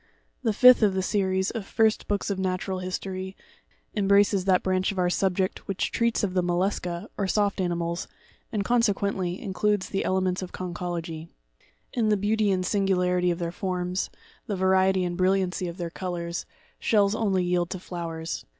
The fifth of the Series of First Books of Natural History, em braces that branch of our subject which treats of the Mollusca, or soft animals, and, consequently, includes the Elements of Con chology. In the beauty and singularity of their forms, the variety and brilliancy of their colours, shells only yield to flowers.